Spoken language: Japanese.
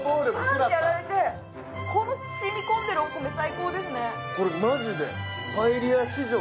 ふわっとやられて、この、染み込んでいるお米、最高ですね。